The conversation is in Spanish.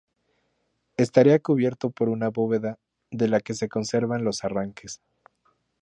Estaría cubierto por una bóveda, de la que se conservan los arranques.